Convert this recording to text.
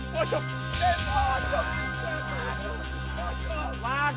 bajau bajau lewat